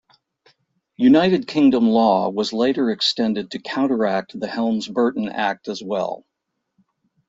United Kingdom law was later extended to counter-act the Helms-Burton Act as well.